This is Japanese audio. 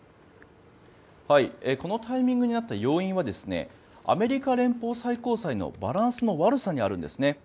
このタイミングになった要因はアメリカ連邦最高裁のバランスの悪さにあるんですね。